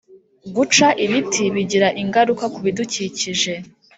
Guca ibiti bigira ingaruka ku bidukikije